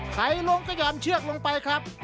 ไหลลงก็ยอมเชือกลงไปครับ